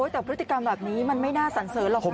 แต่พฤติกรรมแบบนี้มันไม่น่าสันเสริญหรอก